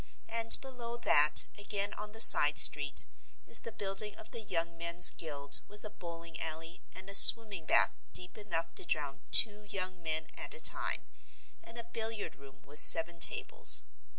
And below that again on the side street, is the building of the Young Men's Guild with a bowling alley and a swimming bath deep enough to drown two young men at a time, and a billiard room with seven tables.